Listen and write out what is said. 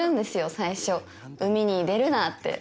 最初海に出るなって